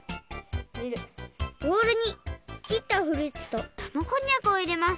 ボウルにきったフルーツとたまこんにゃくをいれます。